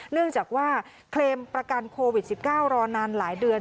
เนื่องจากว่าเคลมประกันโควิด๑๙รอนานหลายเดือน